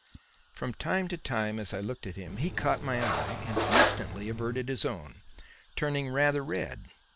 From time to time as I looked at him, he caught my eye and instantly averted his own, turning rather red.